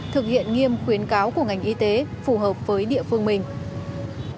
thực hiện nghiêm khuyến cáo của ngành y tế phù hợp với địa phương mình